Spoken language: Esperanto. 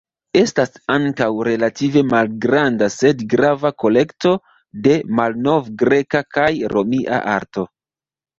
Estas ankaŭ relative malgranda sed grava kolekto de malnovgreka kaj romia arto.